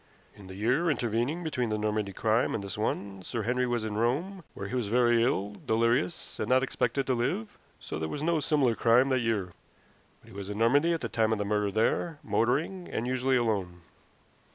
In the year intervening between the Normandy crime and this one Sir Henry was in Rome, where he was very ill, delirious, and not expected to live, so there was no similar crime that year. But he was in Normandy at the time of the murder there, motoring, and usually alone."